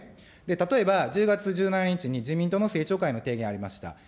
例えば、１０月１７日に自民党の政調会の提言ありました。